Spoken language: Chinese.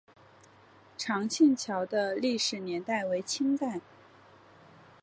长庆桥的历史年代为清代。